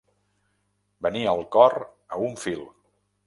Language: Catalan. Venir el cor a un fil.